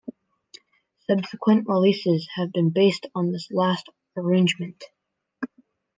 Subsequent releases have been based on this last arrangement.